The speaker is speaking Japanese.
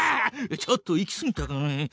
ちょっと行きすぎたかね。